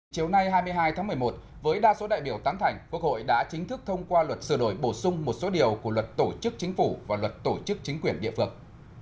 chiều nay hai mươi hai tháng một mươi một với đa số đại biểu tán thành quốc hội đã chính thức thông qua luật sửa đổi bổ sung một số điều của luật tổ chức chính phủ và luật tổ chức chính quyền địa phương